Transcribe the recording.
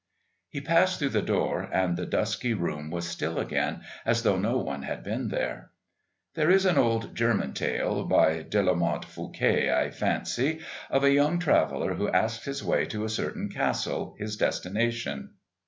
He passed through the door, and the dusky room was still again as though no one had been there.... There is an old German tale, by De la Motte Fouqué, I fancy, of a young traveller who asks his way to a certain castle, his destination.